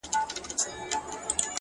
o كه ملاقات مو په همدې ورځ وسو؛